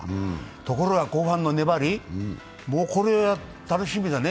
ところが後半の粘り、これ、楽しみだね。